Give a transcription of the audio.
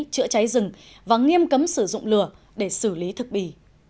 chữa cháy rừng và nghiêm cấm sử dụng lửa để xử lý thực bì